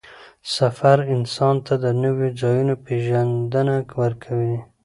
سفر انسان ته د نوو ځایونو پېژندنه ورکوي